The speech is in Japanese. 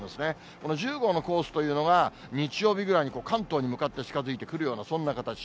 この１０号のコースというのが、日曜日ぐらいに関東に向かって近づいてくるようなそんな形。